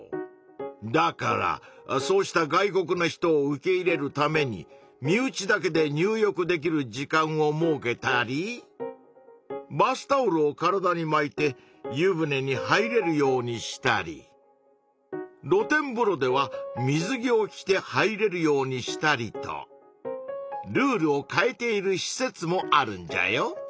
だからそうした外国の人を受け入れるために身内だけで入浴できる時間を設けたりバスタオルを体にまいて湯船に入れるようにしたりろ天ぶろでは水着を着て入れるようにしたりとルールを変えているし設もあるんじゃよ。